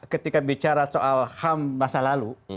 ketika bicara soal ham masa lalu